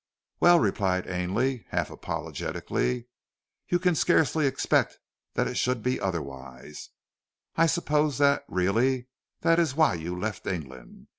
"Well," replied Ainley, half apologetically, "you can scarcely expect that it sould be otherwise. I suppose that, really, that is why you left England.